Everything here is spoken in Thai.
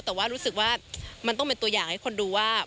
แต่ว่ารู้สึกว่ามันต้องเป็นตัวอย่างให้คนดูว่า